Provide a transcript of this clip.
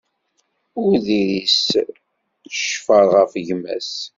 Ur d-iris ccfer ɣef gma-s.